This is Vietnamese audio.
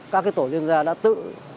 các tổ liên gia đã tự